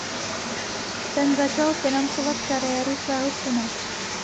Ten začal financovat kariéru svého syna.